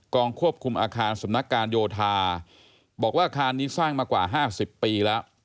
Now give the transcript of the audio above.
ควบคุมอาคารสำนักการโยธาบอกว่าอาคารนี้สร้างมากว่า๕๐ปีแล้ว